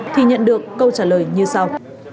thì nhận được câu trả lời như sau